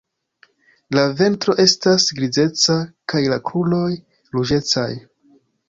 La ventro estas grizeca kaj la kruroj ruĝecaj.